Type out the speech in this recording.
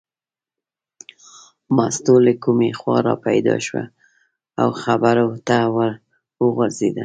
مستو له کومې خوا را پیدا شوه او خبرو ته ور وغورځېده.